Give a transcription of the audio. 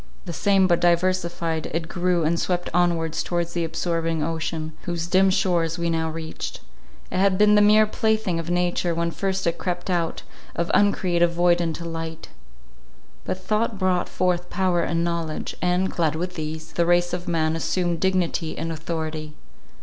The same, but diversified, it grew, and swept onwards towards the absorbing ocean, whose dim shores we now reached. It had been the mere plaything of nature, when first it crept out of uncreative void into light; but thought brought forth power and knowledge; and, clad with these, the race of man assumed dignity and authority.